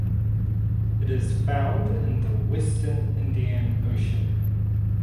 It is found in the western Indian Ocean.